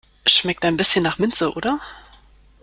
Schmeckt ein bisschen nach Minze, oder?